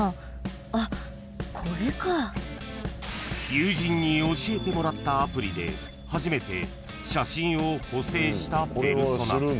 ［友人に教えてもらったアプリで初めて写真を補正したペルソナ］